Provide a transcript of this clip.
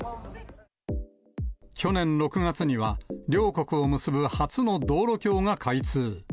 去年６月には、両国を結ぶ初の道路橋が開通。